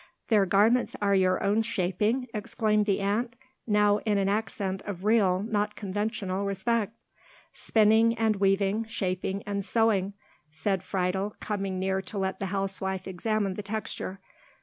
"Their garments are your own shaping!" exclaimed the aunt, now in an accent of real, not conventional respect. "Spinning and weaving, shaping and sewing," said Friedel, coming near to let the housewife examine the texture.